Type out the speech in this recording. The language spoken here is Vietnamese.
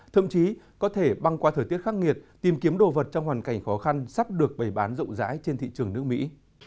thậm chí có thể băng qua thời tiết khắc nghiệt tìm kiếm đồ vật trong hoàn cảnh khó khăn sắp được bày bán rộng rãi trên thị trường nước mỹ